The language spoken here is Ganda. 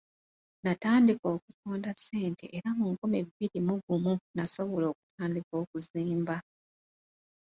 Natandika okusonda ssente era mu nkumi bbiri mu gumu nasobola okutandika okuzimba.